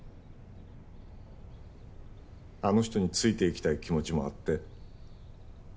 あの人についていきたい気持ちもあって。